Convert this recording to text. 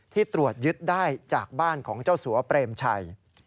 ตรวจยึดได้จากบ้านของเจ้าสัวเปรมชัย